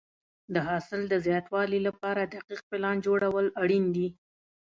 د حاصل د زیاتوالي لپاره دقیق پلان جوړول اړین دي.